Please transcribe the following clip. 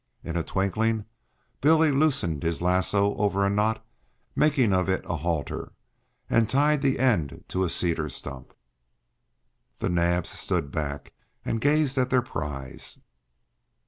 In a twinkling Billy loosened his lasso over a knot, making of it a halter, and tied the end to a cedar stump. The Naabs stood back and gazed at their prize.